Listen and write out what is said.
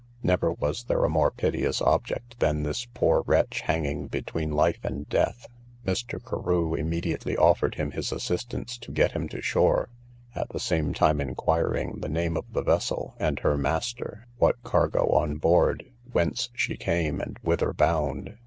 Never was there a more piteous object than this poor wretch hanging between life and death; Mr. Carew immediately offered him his assistance to get him to shore, at the same time inquiring the name of the vessel, and her master, what cargo on board, whence she came, and whither bound.